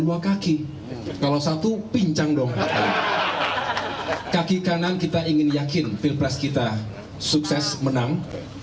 dua kaki kalau satu pincang dong kaki kanan kita ingin yakin pilpres kita sukses menang